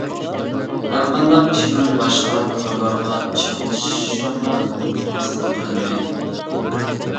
ھەرقانداق كىشىنىڭ باشقا تورلارغا چاپلىشىغا رۇخسەت قىلىنمايدۇ.